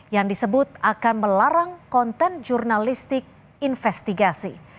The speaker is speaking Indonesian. yang disebut akan melarang konten jurnalistik investigasi